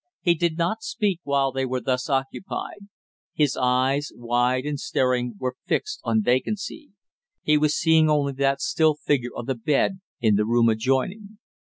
He did not speak while they were thus occupied; his eyes, wide and staring, were fixed on vacancy. He was seeing only that still figure on the bed in the room adjoining.